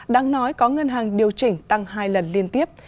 đáng nói có ngân hàng điều chỉnh tăng hai lần liên tiếp